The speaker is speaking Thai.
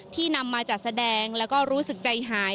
ที่นำมาจากแสดงและก็รู้สึกใจหาย